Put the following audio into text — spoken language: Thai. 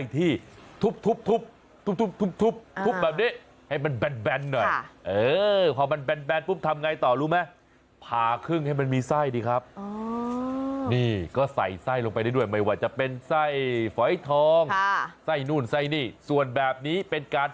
ต้องเป็นไส้ขาวมันจะหวาน